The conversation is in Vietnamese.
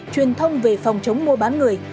truyền thông về phòng chống mua bán người